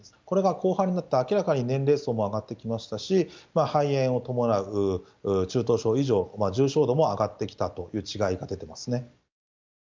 これが後半になって、明らかに年齢層も上がってきましたし、肺炎を伴う中等症以上、重症度も上がってきたという違いが出てますね。